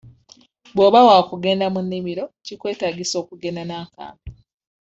Bw'oba waakugenda mu nnimiro kikwetaagisa okugenda n'akambe.